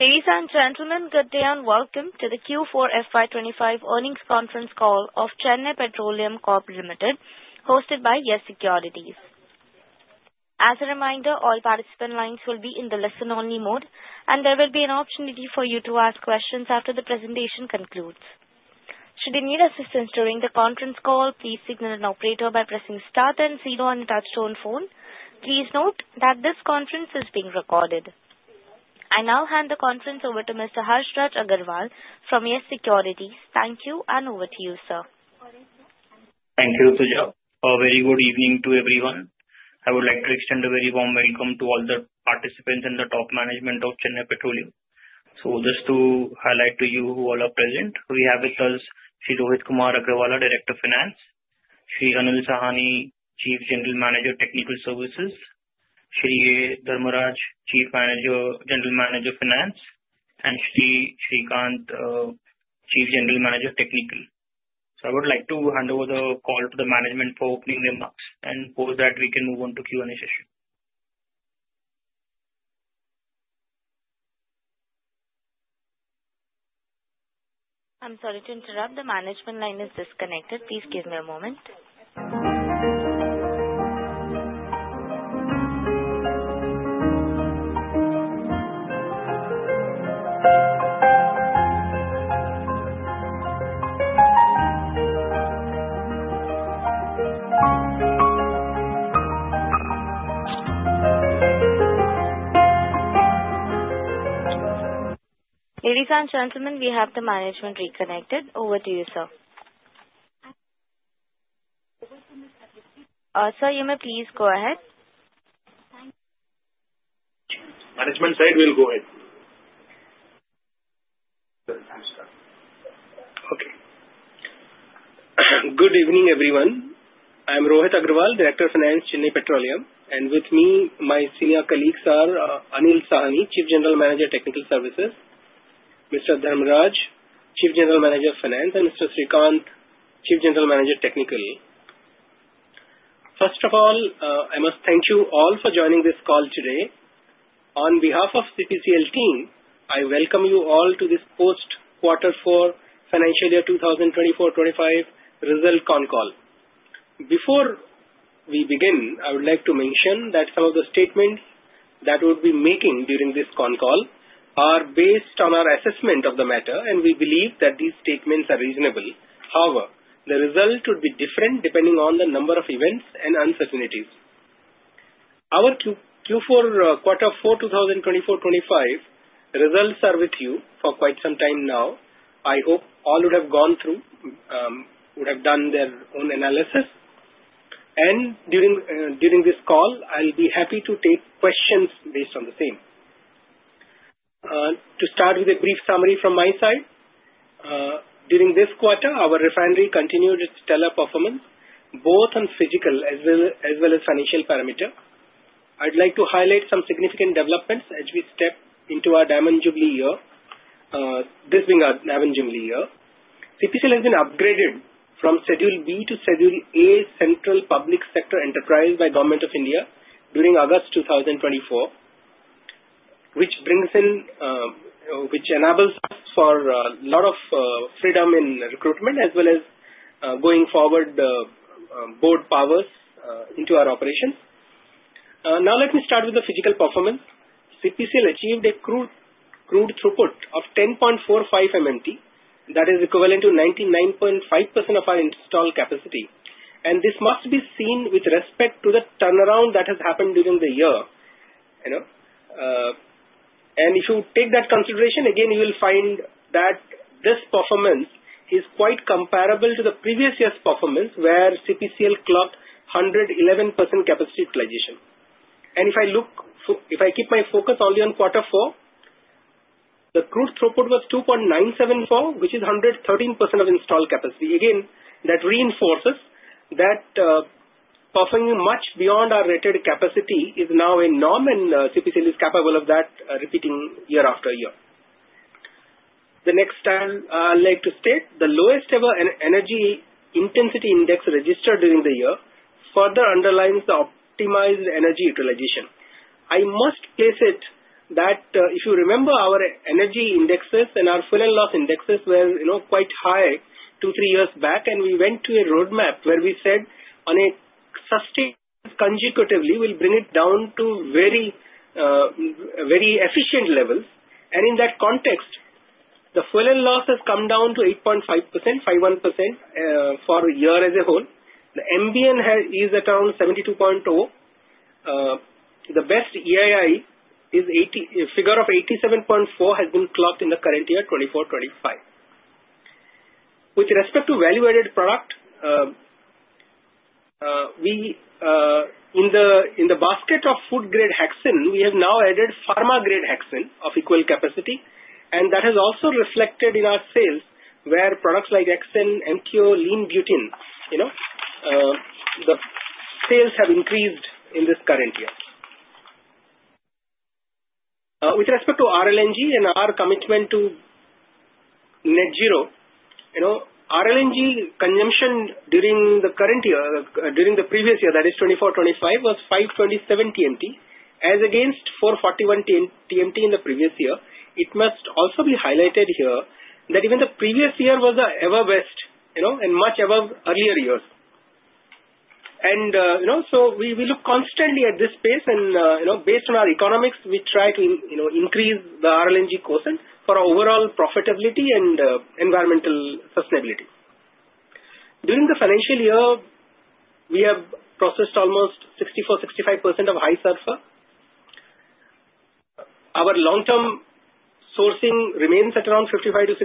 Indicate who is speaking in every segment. Speaker 1: Ladies and gentlemen, good day and welcome to the Q4 FY 2025 earnings conference call of Chennai Petroleum Corp Limited, hosted by Yes Securities. As a reminder, all participant lines will be in the listen-only mode, and there will be an opportunity for you to ask questions after the presentation concludes. Should you need assistance during the conference call, please signal an operator by pressing star and zero on the touch-tone phone. Please note that this conference is being recorded. I now hand the conference over to Mr. Harshraj Aggarwal from Yes Securities. Thank you, and over to you, sir.
Speaker 2: Thank you, Rutuja. A very good evening to everyone. I would like to extend a very warm welcome to all the participants and the top management of Chennai Petroleum. So just to highlight to you who all are present, we have with us Sri Rohit Kumar Agrawala, Director of Finance, Sri Anil Sahni, Chief General Manager, Technical Services, Sri A. Dharmaraj, Chief General Manager, Finance, and Sri Srikanth, Chief General Manager, Technical. So I would like to hand over the call to the management for opening remarks and post that we can move on to Q&A session.
Speaker 1: I'm sorry to interrupt. The management line is disconnected. Please give me a moment. Ladies and gentlemen, we have the management reconnected. Over to you, sir. Sir, you may please go ahead.
Speaker 3: Management side, we'll go ahead. Okay. Good evening, everyone. I'm Rohit Agrawala, Director of Finance, Chennai Petroleum. And with me, my senior colleagues are Anil Sahni, Chief General Manager, Technical Services, Mr. Dharmaraj, Chief General Manager, Finance, and Mr. Srikanth, Chief General Manager, Technical. First of all, I must thank you all for joining this call today. On behalf of CPCL, I welcome you all to this post-quarter four financial year 2024-2025 result con call. Before we begin, I would like to mention that some of the statements that we'll be making during this con call are based on our assessment of the matter, and we believe that these statements are reasonable. However, the results would be different depending on the nature of events and uncertainties. Our Q4, quarter four, 2024-2025 results are with you for quite some time now. I hope all would have gone through, would have done their own analysis, and during this call, I'll be happy to take questions based on the same. To start with a brief summary from my side, during this quarter, our refinery continued its stellar performance, both on physical as well as financial parameters. I'd like to highlight some significant developments as we step into our Diamond Jubilee year, this being our Diamond Jubilee year. CPCL has been upgraded from Schedule B to Schedule A Central Public Sector Enterprise by Government of India during August 2024, which enables us for a lot of freedom in recruitment as well as going forward the board powers into our operations. Now, let me start with the physical performance. CPCL achieved a crude throughput of 10.45 MMT, that is equivalent to 99.5% of our installed capacity. This must be seen with respect to the turnaround that has happened during the year. If you take that consideration, again, you will find that this performance is quite comparable to the previous year's performance where CPCL clocked 111% capacity utilization. If I keep my focus only on quarter four, the crude throughput was 2.974, which is 113% of installed capacity. Again, that reinforces that performing much beyond our rated capacity is now a norm, and CPCL is capable of that repeating year after year. The next slide I'd like to state, the lowest ever energy intensity index registered during the year further underlines the optimized energy utilization. I must place it that if you remember our energy indexes and our fuel and loss indexes were quite high two, three years back, and we went to a roadmap where we said on a sustained consecutively, we'll bring it down to very efficient levels. In that context, the fuel and loss has come down to 8.5% to 5.1% for the year as a whole. The MBN is around 72.0. The best EII figure of 87.4 has been clocked in the current year, 2024-2025. With respect to value-added product, in the basket of food-grade hexane, we have now added pharma-grade hexane of equal capacity. That has also reflected in our sales where products like hexane, MTO, lean butane, the sales have increased in this current year. With respect to RLNG and our commitment to net zero, RLNG consumption during the previous year, that is 2024-2025, was 527 TMT, as against 441 TMT in the previous year. It must also be highlighted here that even the previous year was the ever-best and much above earlier years. We look constantly at this space, and based on our economics, we try to increase the RLNG quotient for overall profitability and environmental sustainability. During the financial year, we have processed almost 64%-65% of high sulfur. Our long-term sourcing remains at around 55%-60%.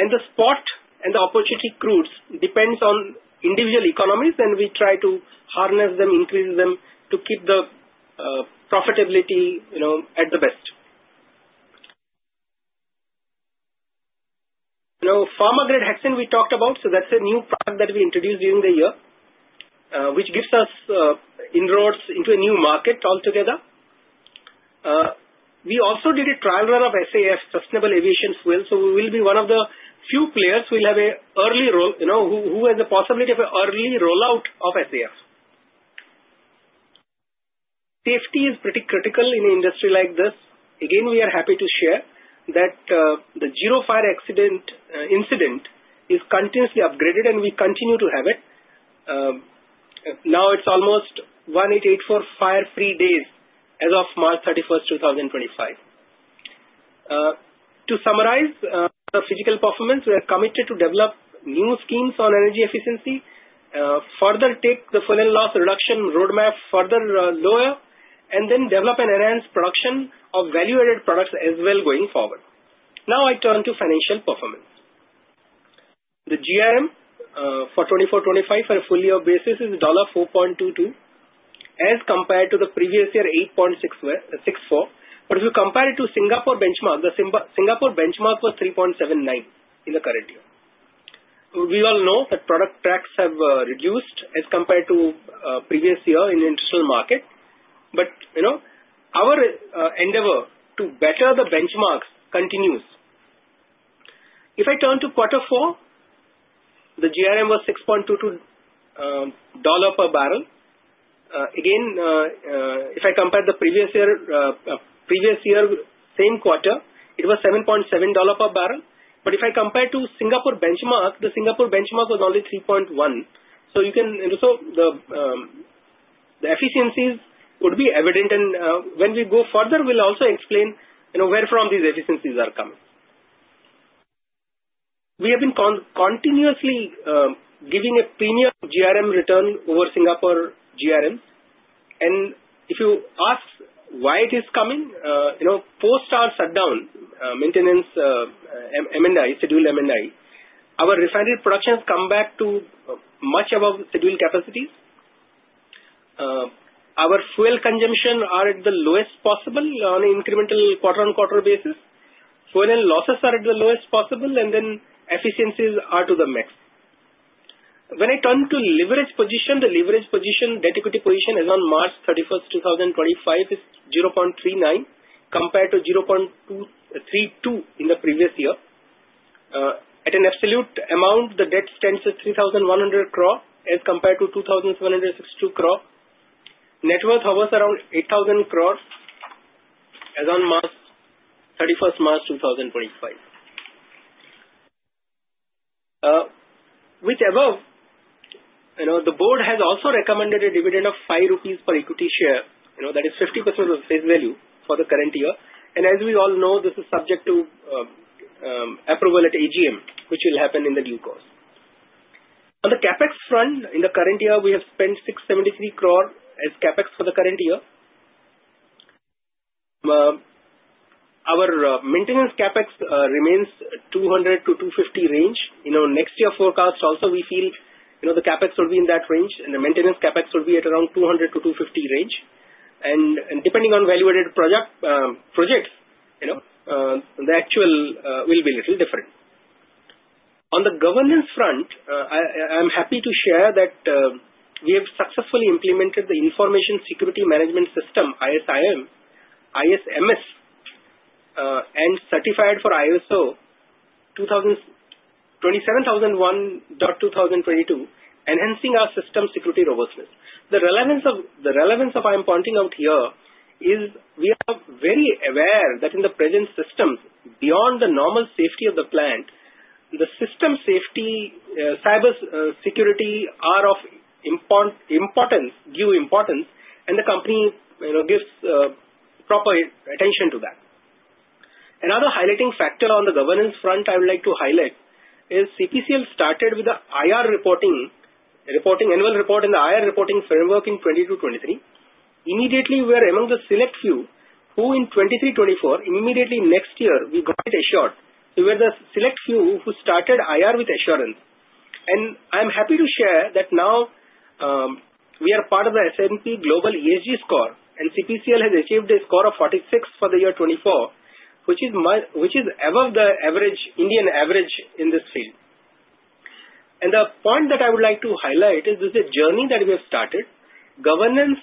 Speaker 3: The spot and the opportunity crudes depend on individual economies, and we try to harness them, increase them to keep the profitability at the best. Pharma-grade hexane we talked about, so that's a new product that we introduced during the year, which gives us inroads into a new market altogether. We also did a trial run of SAF, Sustainable Aviation Fuel. So we will be one of the few players who will have an early rollout of SAF. Safety is pretty critical in an industry like this. Again, we are happy to share that the zero fire incident is continuously upgraded, and we continue to have it. Now it's almost 1884 fire-free days as of March 31st, 2025. To summarize the physical performance, we are committed to develop new schemes on energy efficiency, further take the fuel and loss reduction roadmap further lower, and then develop and enhance production of value-added products as well going forward. Now I turn to financial performance. The GRM for 2024-2025 for a full-year basis is $4.22, as compared to the previous year, $8.64. But if you compare it to Singapore benchmark, the Singapore benchmark was $3.79 in the current year. We all know that product tracks have reduced as compared to the previous year in the international market. But our endeavor to better the benchmarks continues. If I turn to quarter four, the GRM was $6.22 per barrel. Again, if I compare the previous year, same quarter, it was $7.7 per barrel. But if I compare to Singapore benchmark, the Singapore benchmark was only 3.1. So the efficiencies would be evident. And when we go further, we'll also explain where these efficiencies are coming. We have been continuously giving a premium GRM return over Singapore GRMs. And if you ask why it is coming, post our shutdown maintenance schedule M&I, our refinery production has come back to much above scheduled capacities. Our fuel consumption is at the lowest possible on an incremental quarter-on-quarter basis. Fuel and losses are at the lowest possible, and then efficiencies are to the max. When I turn to leverage position, the leverage position, debt equity position, as on March 31st, 2025, is 0.39 compared to 0.32 in the previous year. At an absolute amount, the debt stands at 3,100 crore as compared to 2,762 crore. Net worth hovers around 8,000 crore as on March 31st, 2025. With the above, the board has also recommended a dividend of 5 rupees per equity share. That is 50% of face value for the current year. And as we all know, this is subject to approval at AGM, which will happen in the due course. On the CapEx front, in the current year, we have spent 673 crore as CapEx for the current year. Our maintenance CapEx remains 200 Crore to 250 Crore range. In our next year forecast, also, we feel the CapEx will be in that range, and the maintenance CapEx will be at around 200 crore to 250 crore range. Depending on value-added projects, the actual will be a little different. On the governance front, I'm happy to share that we have successfully implemented the Information Security Management System, ISMS, and certified for ISO 27001:2022, enhancing our system security robustness. The relevance I'm pointing out here is we are very aware that in the present systems, beyond the normal safety of the plant, the system safety, cybersecurity are of great importance, and the company gives proper attention to that. Another highlighting factor on the governance front I would like to highlight is CPCL started with the IR reporting, reporting annual report in the IR reporting framework in 2022-2023. Immediately, we are among the select few who in 2023-2024, immediately next year, we got it assured. We were the select few who started IR with assurance. I'm happy to share that now we are part of the S&P Global ESG Score, and CPCL has achieved a score of 46 for the year 2024, which is above the Indian average in this field. The point that I would like to highlight is this is a journey that we have started. Governance,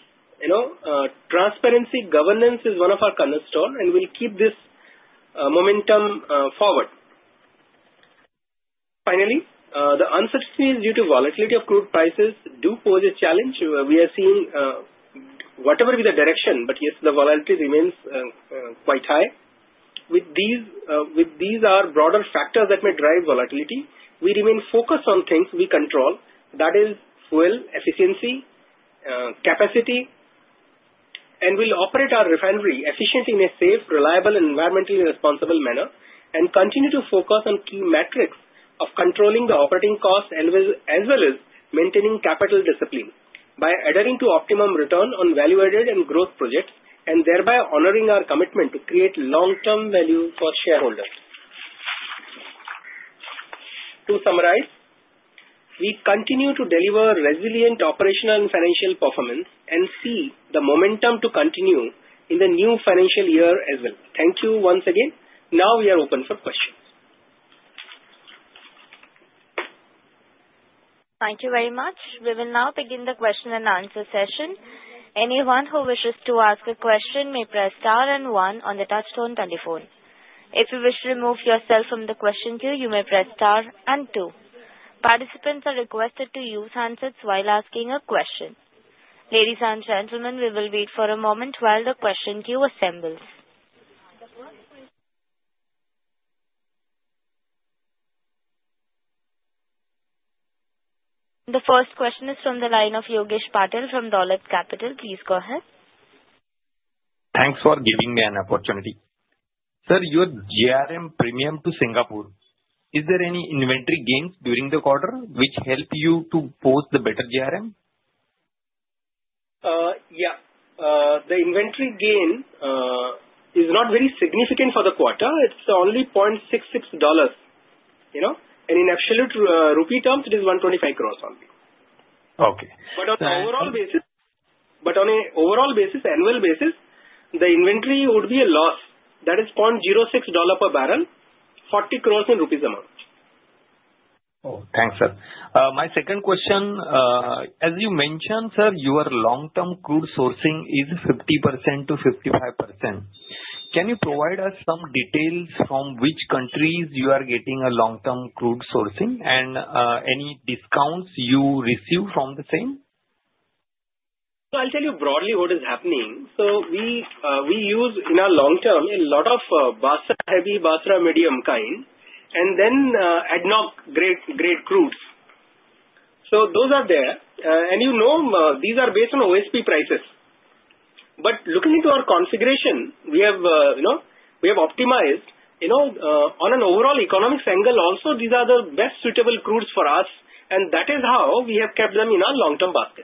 Speaker 3: transparency, governance is one of our cornerstones, and we'll keep this momentum forward. Finally, the uncertainty is due to volatility of crude prices do pose a challenge. We are seeing whatever be the direction, but yes, the volatility remains quite high. With these broader factors that may drive volatility, we remain focused on things we control, that is fuel efficiency, capacity, and we'll operate our refinery efficiently in a safe, reliable, and environmentally responsible manner and continue to focus on key metrics of controlling the operating costs as well as maintaining capital discipline by adhering to optimum return on value-added and growth projects and thereby honoring our commitment to create long-term value for shareholders. To summarize, we continue to deliver resilient operational and financial performance and see the momentum to continue in the new financial year as well. Thank you once again. Now we are open for questions.
Speaker 1: Thank you very much. We will now begin the question and answer session. Anyone who wishes to ask a question may press star and one on the touch-tone phone. If you wish to remove yourself from the question queue, you may press star and two. Participants are requested to use handsets while asking a question. Ladies and gentlemen, we will wait for a moment while the question queue assembles. The first question is from the line of Yogesh Patil from Dolat Capital. Please go ahead.
Speaker 4: Thanks for giving me an opportunity. Sir, your GRM premium to Singapore, is there any inventory gains during the quarter which help you to post the better GRM?
Speaker 3: Yeah. The inventory gain is not very significant for the quarter. It's only $0.66. And in absolute rupee terms, it is 125 crores only. But on an overall basis, but on an overall basis, annual basis, the inventory would be a loss. That is $0.06 per barrel, 40 crores in rupees amount.
Speaker 4: Oh, thanks, sir. My second question, as you mentioned, sir, your long-term crude sourcing is 50%-55%. Can you provide us some details from which countries you are getting a long-term crude sourcing and any discounts you receive from the same?
Speaker 3: I'll tell you broadly what is happening. We use in our long-term a lot of Basrah Heavy, Basrah Medium kind, and then ADNOC grade crudes. Those are there. And you know these are based on OSP prices. But looking into our configuration, we have optimized on an overall economics angle also. These are the best suitable crudes for us. And that is how we have kept them in our long-term basket.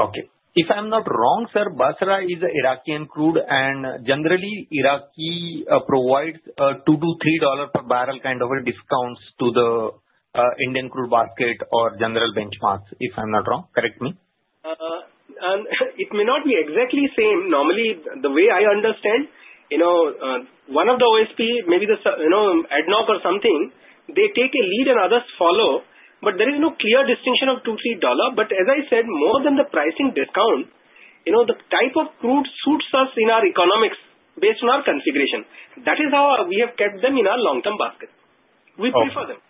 Speaker 3: Okay. If I'm not wrong, sir, Basrah is an Iraqi crude, and generally, Iraqi provides a $2-$3 per barrel kind of a discounts to the Indian crude basket or general benchmarks, if I'm not wrong. Correct me. It may not be exactly same. Normally, the way I understand, one of the OSP, maybe the ADNOC or something, they take a lead and others follow, but there is no clear distinction of $2-$3, but as I said, more than the pricing discount, the type of crude suits us in our economics based on our configuration. That is how we have kept them in our long-term basket. We prefer them.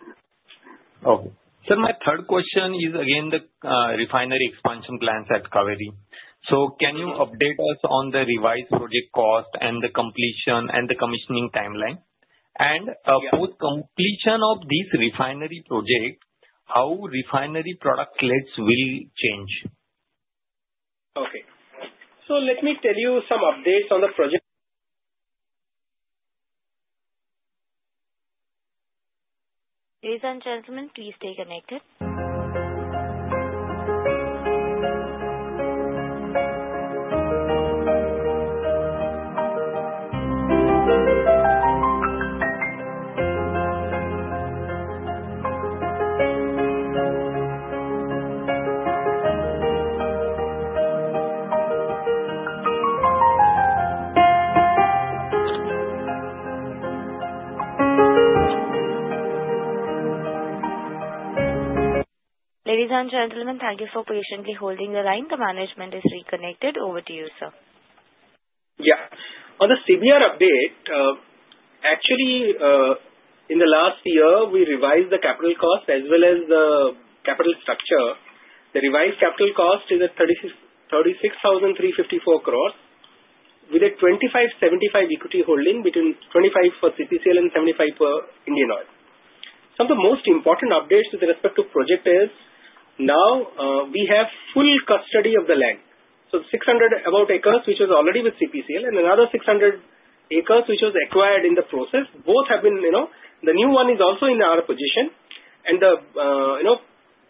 Speaker 4: Okay. Sir, my third question is again the refinery expansion plans at Cauvery. So can you update us on the revised project cost and the completion and the commissioning timeline, and post-completion of these refinery projects, how refinery product slides will change?
Speaker 3: Okay. So let me tell you some updates on the project.
Speaker 1: Ladies and gentlemen, please stay connected. Ladies and gentlemen, thank you for patiently holding the line. The management is reconnected. Over to you, sir.
Speaker 3: Yeah. On the CBR update, actually, in the last year, we revised the capital cost as well as the capital structure. The revised capital cost is at 36,354 crore with a 25%-75% equity holding between 25% for CPCL and 75% for Indian Oil. Some of the most important updates with respect to the project is now we have full custody of the land. So about 600 acres, which was already with CPCL, and another 600 acres, which was acquired in the process. Both have been, the new one is also in our position. And the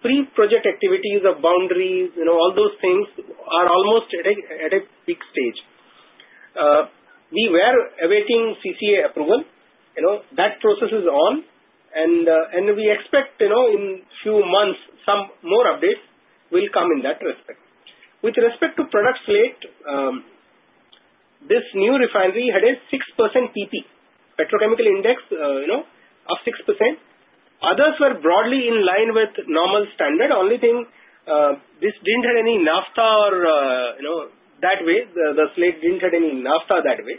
Speaker 3: pre-project activities of boundaries, all those things are almost at a peak stage. We were awaiting CCEA approval. That process is on. And we expect in a few months, some more updates will come in that respect. With respect to product slate, this new refinery had a 6% PP, petrochemical index of 6%. Others were broadly in line with normal standard. Only thing, this didn't have any Naphtha or that way. The slate didn't have any Naphtha that way.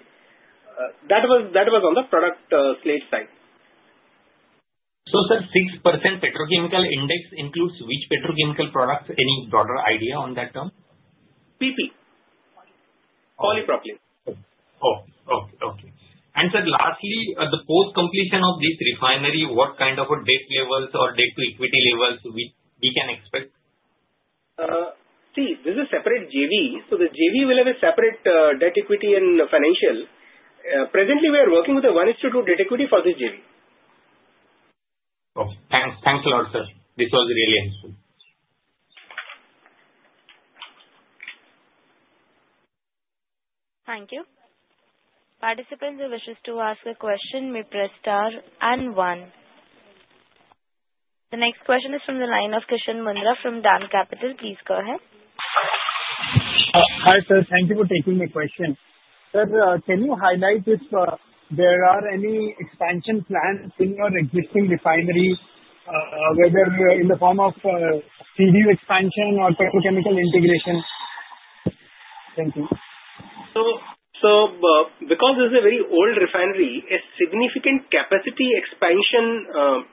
Speaker 3: That was on the product slate side.
Speaker 4: So sir, 6% petrochemical index includes which petrochemical products? Any broader idea on that term?
Speaker 3: PP. Polypropylene.
Speaker 4: Oh, okay. And sir, lastly, at the post-completion of this refinery, what kind of a debt levels or debt to equity levels we can expect?
Speaker 3: See, this is separate JV. So the JV will have a separate debt equity and financial. Presently, we are working with a 1:2 debt equity for this JV. Okay.
Speaker 4: Thanks a lot, sir. This was really helpful.
Speaker 1: Thank you. Participants who wishes to ask a question may press star and one. The next question is from the line of Kishan Mundhra from DAM Capital. Please go ahead.
Speaker 5: Hi sir. Thank you for taking my question. Sir, can you highlight if there are any expansion plans in your existing refinery, whether in the form of CDU expansion or petrochemical integration? Thank you.
Speaker 3: So, because this is a very old refinery, a significant capacity expansion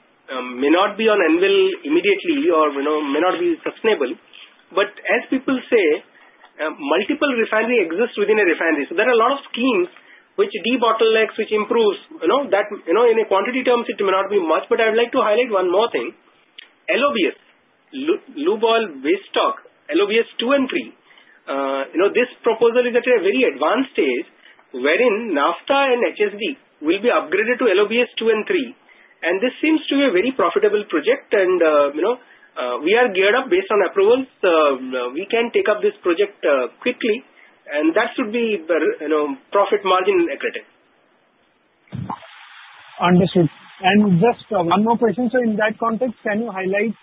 Speaker 3: may not be on anvil immediately or may not be sustainable. But as people say, multiple refinery exists within a refinery. So there are a lot of schemes which debottlenecks, which improves. In quantity terms, it may not be much. But I would like to highlight one more thing. LOBS, Lube Oil Base Stock, LOBS 2 and 3. This proposal is at a very advanced stage wherein Naphtha and HSD will be upgraded to LOBS 2 and 3. And this seems to be a very profitable project. We are geared up based on approvals. We can take up this project quickly. That should be profit margin accretive.
Speaker 5: Understood. Just one more question. In that context, can you highlight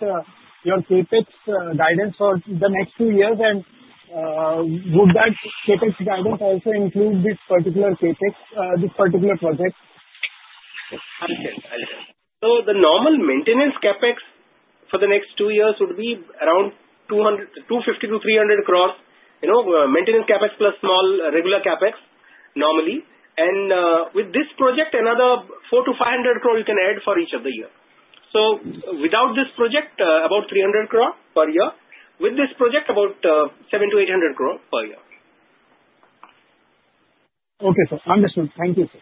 Speaker 5: your CapEx guidance for the next few years? And would that CapEx guidance also include this particular CapEx, this particular project?
Speaker 3: Understood. Understood. The normal maintenance CapEx for the next two years would be around INR 250crore-INR 300 crore. Maintenance CapEx plus small regular CapEx normally. With this project, another 400 crore-500 crore you can add for each of the year. Without this project, about 300 crore per year. With this project, about INR 700crore-INR 800 crore per year.
Speaker 5: Okay, sir. Understood. Thank you, sir.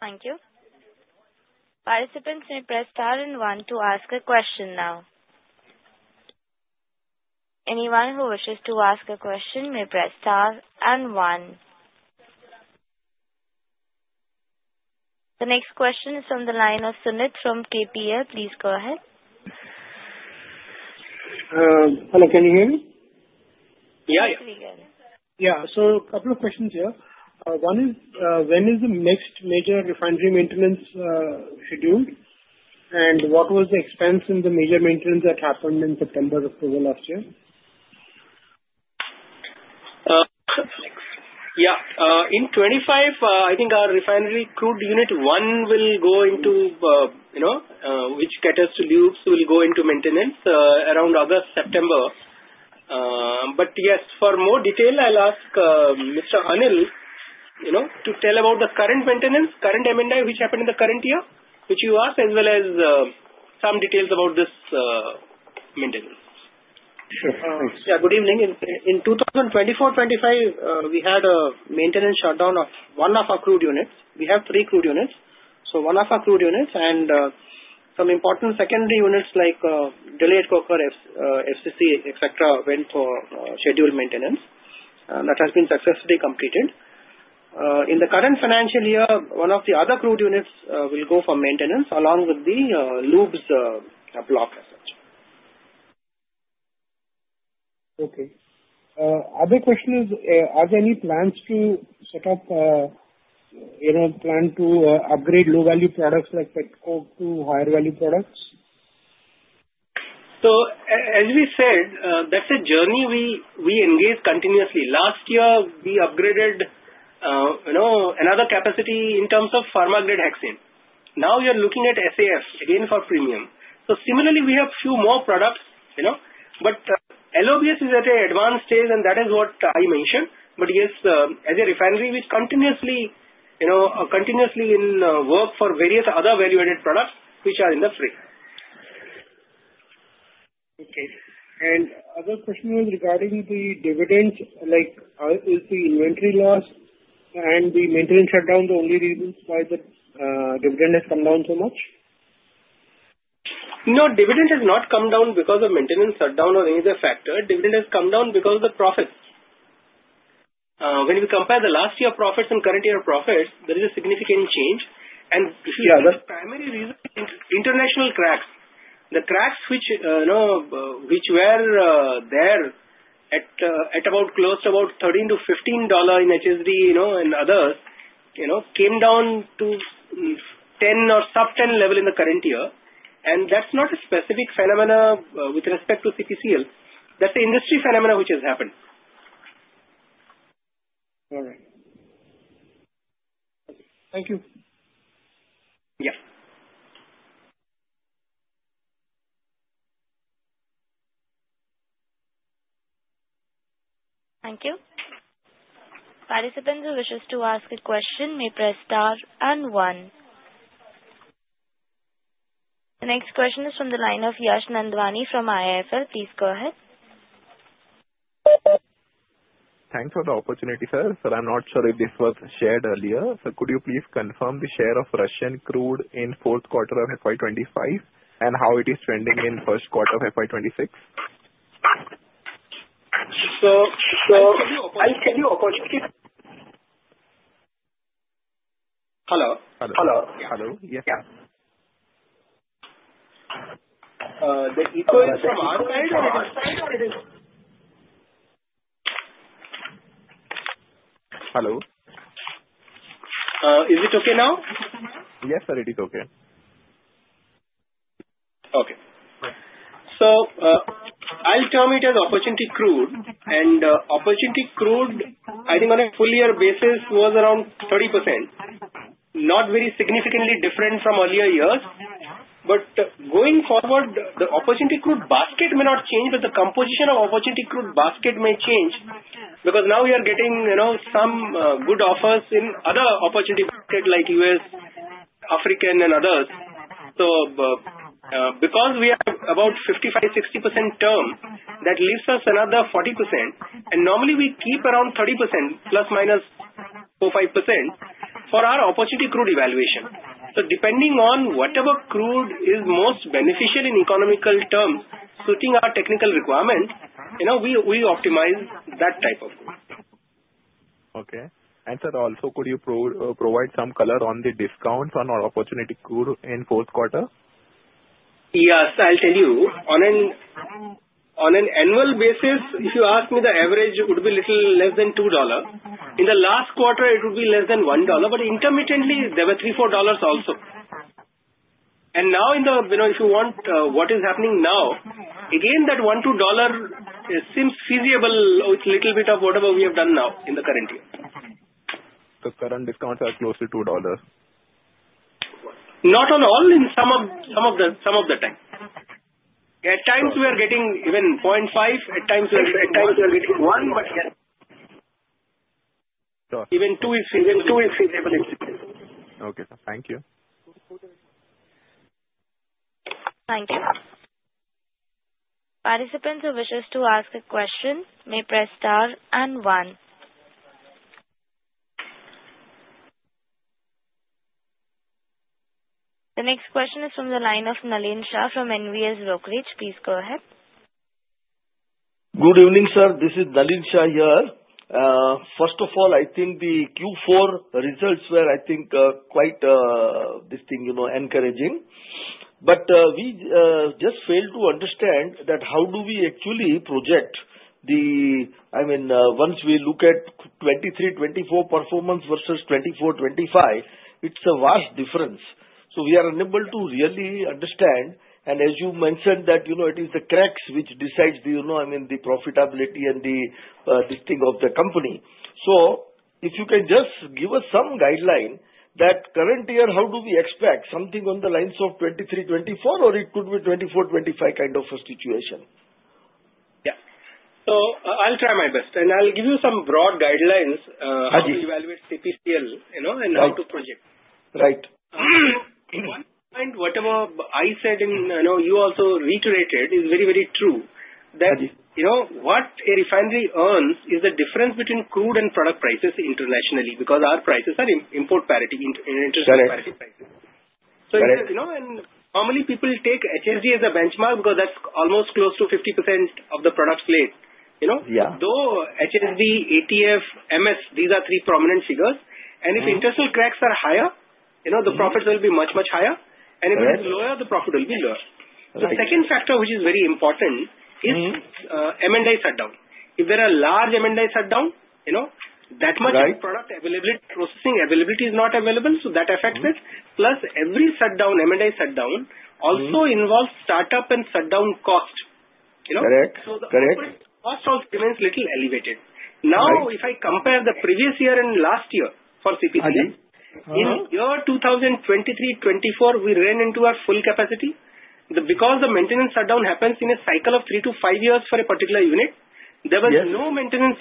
Speaker 5: Thank you.
Speaker 1: Participants may press star and one to ask a question now. Anyone who wishes to ask a question may press star and one. The next question is from the line of Sumit from KPL. Please go ahead. Hello. Can you hear me?
Speaker 3: Yeah.
Speaker 1: Yeah. Yeah. So a couple of questions here. One is, when is the next major refinery maintenance scheduled? And what was the expense in the major maintenance that happened in September of last year?
Speaker 3: Yeah. In 2025, I think our refinery crude unit one will go into maintenance around August, September. But yes, for more detail, I'll ask Mr. Anil to tell about the current maintenance, current M&I which happened in the current year, which you asked, as well as some details about this maintenance.
Speaker 6: Sure. Yeah. Good evening. In 2024-2025, we had a maintenance shutdown of one of our crude units. We have three crude units. So one of our crude units and some important secondary units like Delayed Coker, FCC, etc., went for scheduled maintenance. That has been successfully completed. In the current financial year, one of the other crude units will go for maintenance along with the LOBS block as such. Okay. Other question is, are there any plans to set up, plan to upgrade low-value products like petcoke to higher-value products?
Speaker 3: So as we said, that's a journey we engage continuously. Last year, we upgraded another capacity in terms of pharma-grade hexane. Now we are looking at SAF again for premium. So similarly, we have a few more products. But LOBS is at an advanced stage, and that is what I mentioned. But yes, as a refinery, we continuously in work for various other value-added products which are in the frame. Okay. And other question was regarding the dividends. Is the inventory loss and the maintenance shutdown the only reasons why the dividend has come down so much? No. Dividend has not come down because of maintenance shutdown or any other factor. Dividend has come down because of the profits. When we compare the last year profits and current year profits, there is a significant change. And the primary reason is international cracks. The cracks which were there at about $13-$15 in HSD and others came down to $10 or sub-$10 level in the current year. And that's not a specific phenomena with respect to CPCL. That's an industry phenomena which has happened. All right. Thank you. Yeah.
Speaker 1: Thank you. Participants who wishes to ask a question may press star and one. The next question is from the line of Yash Nandwani from IIFL. Please go ahead.
Speaker 7: Thanks for the opportunity, sir. So I'm not sure if this was shared earlier. So could you please confirm the share of Russian crude in fourth quarter of FY 2025 and how it is trending in first quarter of FY 2026?
Speaker 3: So I'll tell you opportunity. Hello. Hello.
Speaker 7: Hello. Yes.
Speaker 3: Yeah. The echo is from our side or it is?
Speaker 7: Hello.
Speaker 3: Is it okay now?
Speaker 7: Yes, sir. It is okay.
Speaker 3: Okay. So I'll term it as opportunity crude. And opportunity crude, I think on a full year basis, was around 30%. Not very significantly different from earlier years. But going forward, the opportunity crude basket may not change, but the composition of opportunity crude basket may change. Because now we are getting some good offers in other opportunity basket like U.S., African, and others. So because we have about 55%-60% term, that leaves us another 40%. Normally, we keep around 30%, plus minus 4%-5% for our opportunity crude evaluation. Depending on whatever crude is most beneficial in economic terms suiting our technical requirement, we optimize that type of crude.
Speaker 7: Okay. Sir, also, could you provide some color on the discounts on our opportunity crude in fourth quarter?
Speaker 3: Yes. I'll tell you. On an annual basis, if you ask me, the average would be little less than $2. In the last quarter, it would be less than $1. But intermittently, there were $3-$4 also. Now, if you want what is happening now, again, that $1-$2 seems feasible with a little bit of whatever we have done now in the current year.
Speaker 7: So current discounts are close to $2?
Speaker 3: Not on all. In some of the time. At times, we are getting even $0.5. At times, we are getting $1. But yes, even two is feasible.
Speaker 7: Okay. Thank you.
Speaker 1: Thank you. Participants who wish to ask a question may press star and one. The next question is from the line of Nalin Shah from NVS Brokerage. Please go ahead.
Speaker 8: Good evening, sir. This is Nalin Shah here. First of all, I think the Q4 results were, I think, quite encouraging. But we just failed to understand that how do we actually project the, I mean, once we look at 2023- 2024 performance versus 2024-2025, it's a vast difference. So we are unable to really understand. And as you mentioned that it is the cracks which decides, I mean, the profitability and this thing of the company. So if you can just give us some guideline that current year, how do we expect something on the lines of 2023-2024, or it could be 2024-2025 kind of a situation?
Speaker 3: Yeah. I'll try my best. I'll give you some broad guidelines how to evaluate CPCL and how to project. Right. One point, whatever I said and you also reiterated is very, very true. That what a refinery earns is the difference between crude and product prices internationally because our prices are import parity international prices. So normally, people take HSD as a benchmark because that's almost close to 50% of the product slate. Though HSD, ATF, MS, these are three prominent figures. And if international cracks are higher, the profits will be much, much higher. And if it's lower, the profit will be lower. The second factor, which is very important, is maintenance shutdown. If there are large M&A shutdown, that much of product availability, processing availability is not available. So that affects it. Plus, every shutdown, M&A shutdown also involves startup and shutdown cost. So the operating cost also remains little elevated. Now, if I compare the previous year and last year for CPCL, in year 2023-2024, we ran into our full capacity. Because the maintenance shutdown happens in a cycle of three to five years for a particular unit, there was no maintenance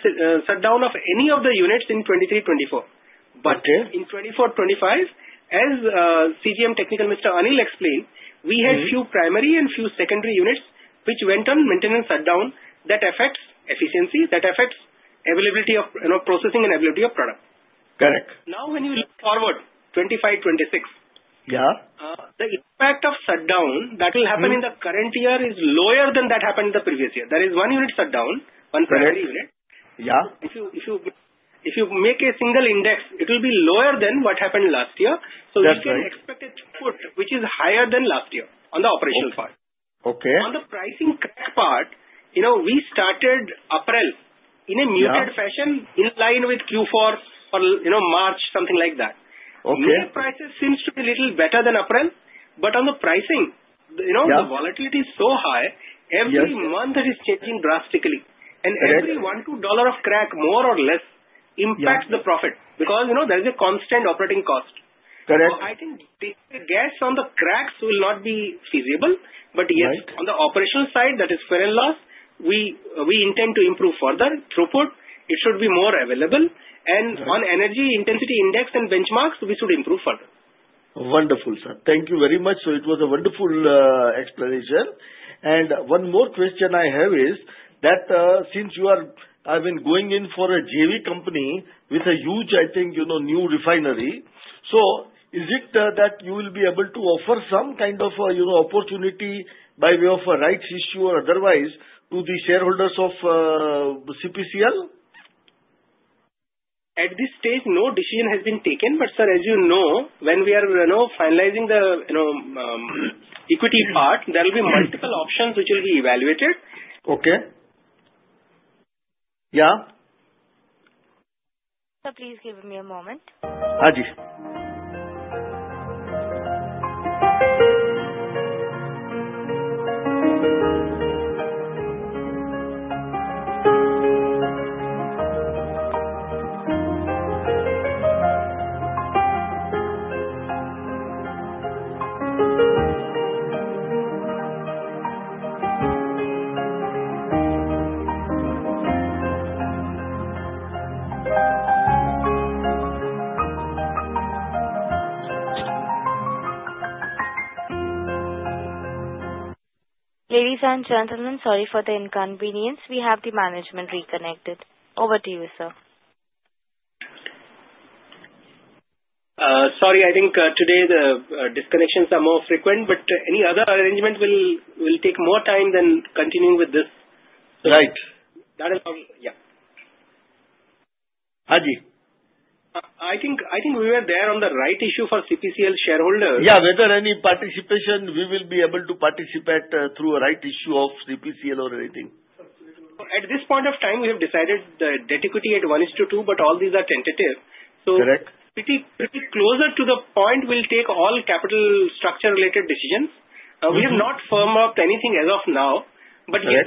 Speaker 3: shutdown of any of the units in 2023-2024. But in 2024-2025, as CGM Technical Mr. Anil Sahni explained, we had few primary and few secondary units which went on maintenance shutdown. That affects efficiency. That affects availability of processing and availability of product. Now, when you look forward 2025-2026, the impact of shutdown that will happen in the current year is lower than that happened in the previous year. That is one unit shutdown, one primary unit. If you make a single index, it will be lower than what happened last year, so you can expect a crude which is higher than last year on the operational part. On the pricing crack part, we started in April in a muted fashion in line with Q4 for March, something like that. New prices seem to be a little better than April. But on the pricing, the volatility is so high. Every month, it is changing drastically. And every $1 of crack, more or less, impacts the profit because there is a constant operating cost. I think taking a guess on the cracks will not be feasible. Yes, on the operational side, that is fuel and loss. We intend to improve further throughput. It should be more available. And on energy intensity index and benchmarks, we should improve further.
Speaker 8: Wonderful, sir. Thank you very much. So it was a wonderful explanation. And one more question I have is that since you are, I mean, going in for a JV company with a huge, I think, new refinery, so is it that you will be able to offer some kind of opportunity by way of a rights issue or otherwise to the shareholders of CPCL?
Speaker 3: At this stage, no decision has been taken. But sir, as you know, when we are finalizing the equity part, there will be multiple options which will be evaluated.
Speaker 8: Okay. Yeah.
Speaker 1: So please give me a moment. Haji. Ladies and gentlemen, sorry for the inconvenience. We have the management reconnected. Over to you, sir.
Speaker 3: Sorry. I think today the disconnections are more frequent. But any other arrangement will take more time than continuing with this. Right. That is our, yeah. Haji. I think we were there on the rights issue for CPCL shareholders. Yeah.
Speaker 8: Whether any participation, we will be able to participate through a rights issue of CPCL or anything.
Speaker 3: At this point of time, we have decided the debt equity at 1:2, but all these are tentative. So pretty close to the point, we'll take all capital structure-related decisions. We have not firmed up anything as of now. But yes,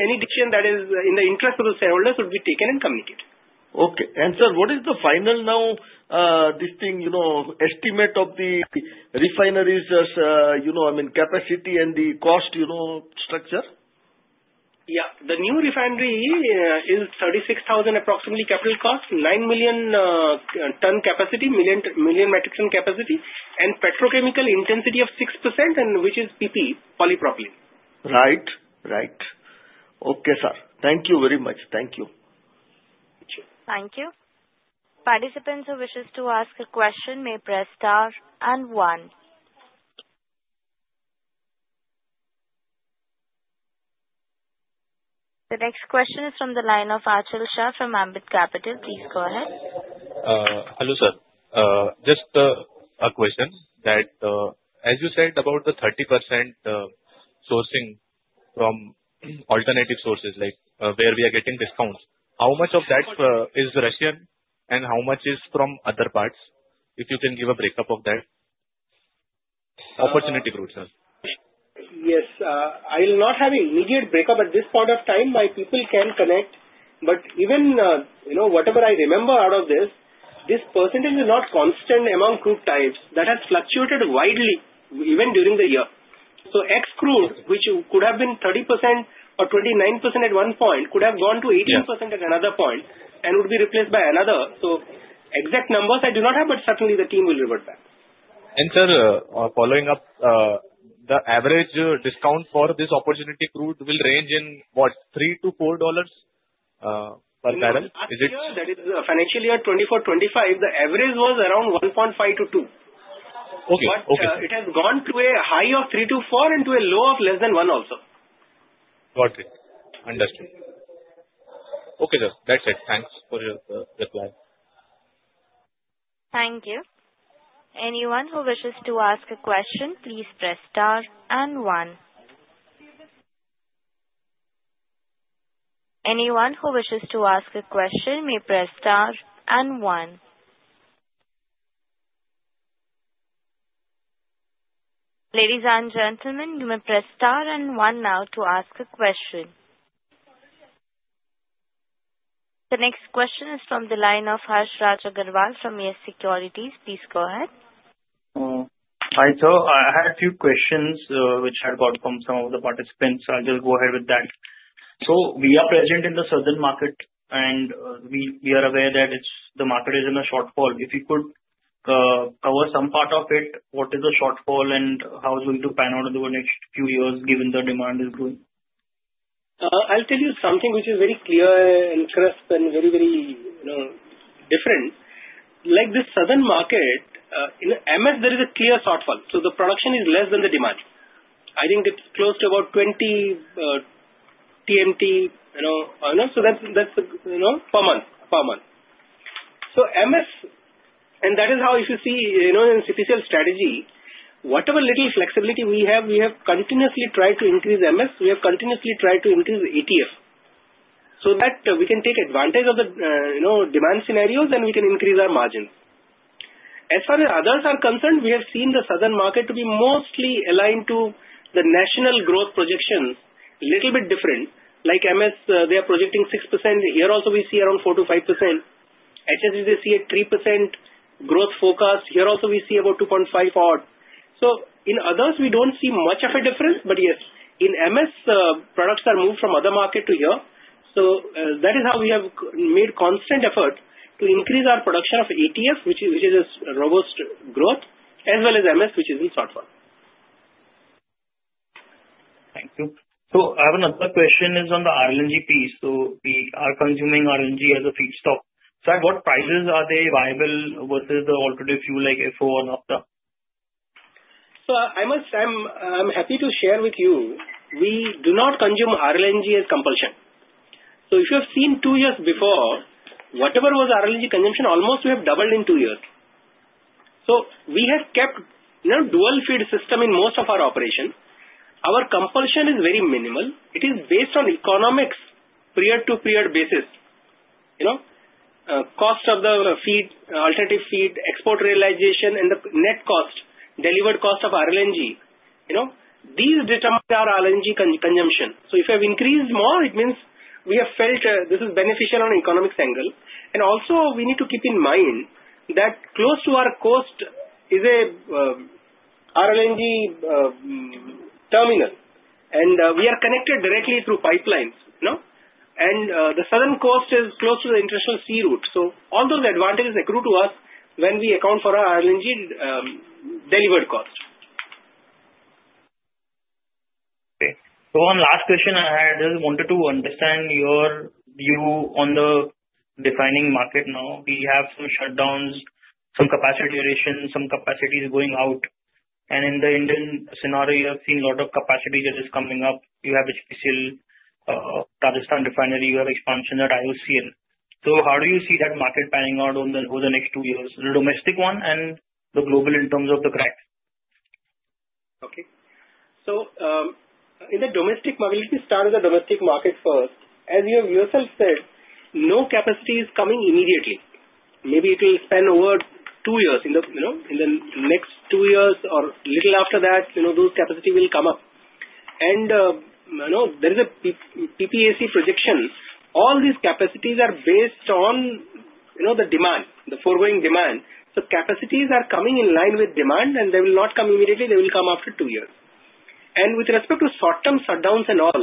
Speaker 3: any decision that is in the interest of the shareholders would be taken and communicated.
Speaker 8: Okay. And sir, what is the final now this thing estimate of the refineries' capacity and the cost structure?
Speaker 3: Yeah. The new refinery is 36,000 approximately capital cost, 9 million ton capacity, million metric ton capacity, and petrochemical intensity of 6%, which is PP, polypropylene.
Speaker 8: Right. Right. Okay, sir. Thank you very much. Thank you. Thank you. Participants who wish to ask a question may press star and one. The next question is from the line of Achal Shah from Ambit Capital. Please go ahead.
Speaker 9: Hello, sir. Just a question that, as you said, about the 30% sourcing from alternative sources where we are getting discounts, how much of that is Russian and how much is from other parts? If you can give a breakup of that opportunity crude, sir.
Speaker 3: Yes. I'll not have an immediate breakup at this point of time. My people can connect. But even whatever I remember out of this, this percentage is not constant among crude types. That has fluctuated widely even during the year. So, ex-crude, which could have been 30% or 29% at one point, could have gone to 18% at another point and would be replaced by another. So exact numbers I do not have, but certainly the team will revert back.
Speaker 9: And sir, following up, the average discount for this opportunity crude will range in what, $3-$4 per barrel? Is it?
Speaker 3: Yeah. That is financial year 2024-2025. The average was around $1.5-$2. But it has gone to a high of $3-$4 and to a low of less than $1 also.
Speaker 9: Got it. Understood. Okay, sir. That's it. Thanks for your reply.
Speaker 1: Thank you. Anyone who wishes to ask a question, please press star and one. Anyone who wishes to ask a question may press star and one. Ladies and gentlemen, you may press star and one now to ask a question. The next question is from the line of Harshraj Aggarwal from Yes Securities. Please go ahead.
Speaker 2: Hi, sir. I had a few questions which I got from some of the participants. I'll just go ahead with that. So we are present in the southern market, and we are aware that the market is in a shortfall. If you could cover some part of it, what is the shortfall and how is it going to pan out over the next few years given the demand is growing?
Speaker 3: I'll tell you something which is very clear and crisp and very, very different. Like the southern market, in MS, there is a clear shortfall. So the production is less than the demand. I think it's close to about 20 TMT oils. So that's per month. Per month. So MS, and that is how, if you see in CPCL strategy, whatever little flexibility we have, we have continuously tried to increase MS. We have continuously tried to increase ATF. So that we can take advantage of the demand scenarios, then we can increase our margins. As far as others are concerned, we have seen the southern market to be mostly aligned to the national growth projections, little bit different. Like MS, they are projecting 6%. Here also, we see around 4%-5%. HSD, they see a 3% growth forecast. Here also, we see about 2.5 odd. So in others, we don't see much of a difference. But yes, in MS, products are moved from other market to here. So that is how we have made constant effort to increase our production of ATF, which is a robust growth, as well as MS, which is in shortfall.
Speaker 2: Thank you. So I have another question on the RLNG piece. So we are consuming RLNG as a feedstock. Sir, what prices are they viable versus the alternative fuel like FO and Naphtha?
Speaker 3: So I'm happy to share with you, we do not consume RLNG as compulsion. So if you have seen two years before, whatever was RLNG consumption, almost we have doubled in two years. So we have kept dual feed system in most of our operation. Our compulsion is very minimal. It is based on economics period to period basis. Cost of the feed, alternative feed, export realization, and the net cost, delivered cost of RLNG. These determine our RLNG consumption. So if we have increased more, it means we have felt this is beneficial on economics angle. And also, we need to keep in mind that close to our coast is an RLNG terminal. We are connected directly through pipelines. The southern coast is close to the international sea route. So all those advantages accrue to us when we account for RLNG delivered cost. Okay.
Speaker 2: One last question I had is I want to understand your view on the refining market now. We have some shutdowns, some capacity additions, some capacities going out. In the Indian scenario, you have seen a lot of capacity that is coming up. You have HPCL Rajasthan refinery, you have expansion at IOCL. So how do you see that market panning out over the next two years, the domestic one and the global in terms of the crack?
Speaker 3: Okay. In the domestic market, let me start with the domestic market first. As you yourself said, no capacity is coming immediately. Maybe it will span over two years. In the next two years or a little after that, those capacities will come up. And there is a PPAC projection. All these capacities are based on the demand, the foregoing demand. So capacities are coming in line with demand, and they will not come immediately. They will come after two years. And with respect to short-term shutdowns and all,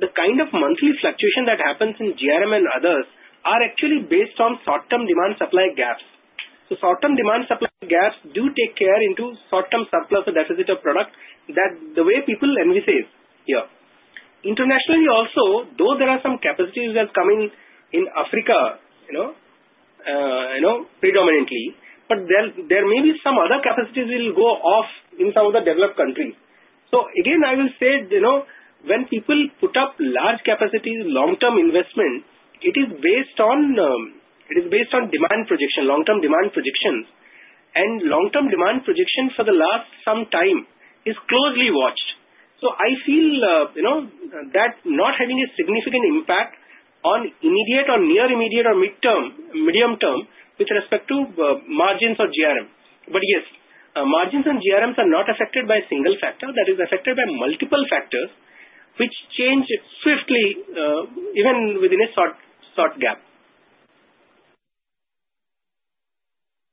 Speaker 3: the kind of monthly fluctuation that happens in GRM and others are actually based on short-term demand-supply gaps. So short-term demand-supply gaps do take care of short-term surplus or deficit of product that the way people envisage here. Internationally also, though there are some capacities that come in Africa predominantly, but there may be some other capacities that will go off in some of the developed countries. So again, I will say when people put up large capacities, long-term investment, it is based on demand projection, long-term demand projections. Long-term demand projection for the last some time is closely watched. So I feel that not having a significant impact on immediate or near immediate or mid-term, medium term with respect to margins or GRM. But yes, margins and GRMs are not affected by a single factor. That is affected by multiple factors which change swiftly even within a short gap.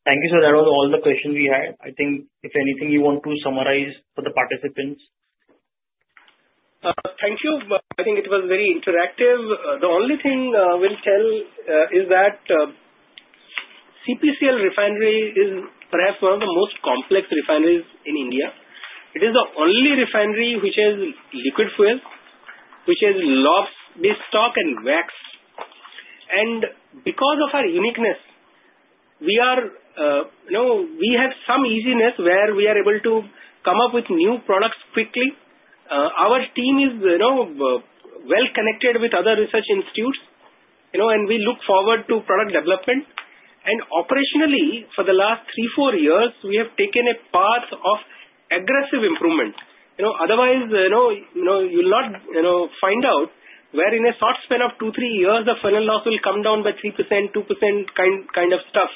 Speaker 2: Thank you, sir. That was all the questions we had. I think if anything, you want to summarize for the participants?
Speaker 3: Thank you. I think it was very interactive. The only thing I will tell is that CPCL refinery is perhaps one of the most complex refineries in India. It is the only refinery which has LPG, lube oil base stock, and wax. And because of our uniqueness, we have some easiness where we are able to come up with new products quickly. Our team is well connected with other research institutes, and we look forward to product development, and operationally, for the last three, four years, we have taken a path of aggressive improvement. Otherwise, you'll not find out where in a short span of two, three years, the fuel and loss will come down by 3%, 2% kind of stuff.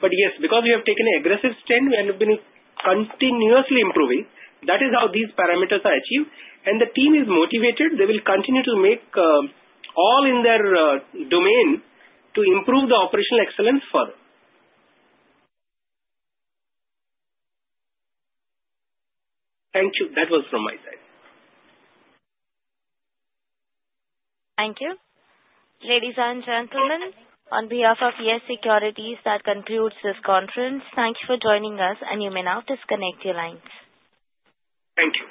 Speaker 3: But yes, because we have taken an aggressive stint, we have been continuously improving. That is how these parameters are achieved, and the team is motivated. They will continue to make all in their domain to improve the operational excellence further. Thank you. That was from my side.
Speaker 1: Thank you. Ladies and gentlemen, on behalf of Yes Securities, that concludes this conference. Thank you for joining us, and you may now disconnect your lines. Thank you.